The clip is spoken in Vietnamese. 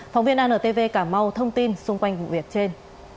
phóng viên an ntv cà mau thông tin xung quanh vụ việc trên